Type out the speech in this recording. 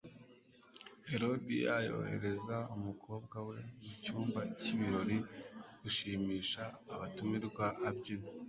Herodiya yohereza umukobwa we mu cyumba cy'ibirori gushimisha abatumirwa abyina.